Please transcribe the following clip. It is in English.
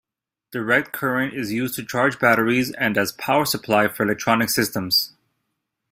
Direct current is used to charge batteries and as power supply for electronic systems.